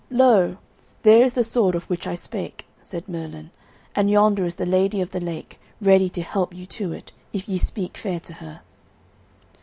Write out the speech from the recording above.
"Lo! there is the sword of which I spake," said Merlin, "and yonder is the Lady of the Lake ready to help you to it, if ye speak fair to her."